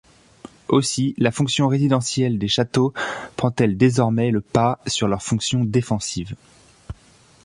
Aussi la fonction résidentielle des châteaux prend-elle désormais le pas sur leur fonction défensive.